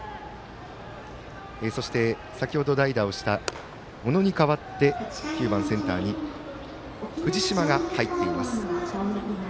そして、先ほど代打をした小野に代わって９番センターに藤島が入っています。